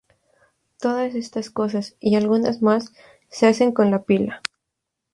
Todas estas cosas, y algunas más, se hacen con la pila.